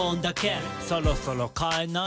「そろそろ変えない？